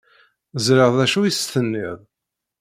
Ẓṛiɣ d acu i s-tenniḍ.